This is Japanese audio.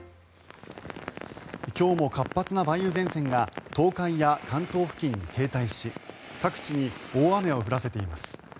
今日も活発な梅雨前線が東海や関東付近に停滞し各地に大雨を降らせています。